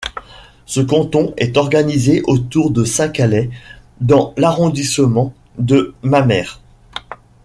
Ce canton est organisé autour de Saint-Calais dans l'arrondissement de Mamers.